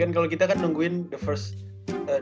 ya kan kalau kita kan nungguin draft nya itu kan